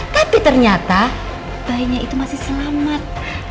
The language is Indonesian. tapi ternyata bayinya itu masih selamat